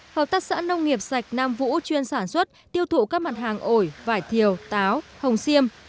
hợp tác xã nông nghiệp sạch nam vũ chuyên sản xuất tiêu thụ các mặt hàng ổi vải thiều táo hồng xiêm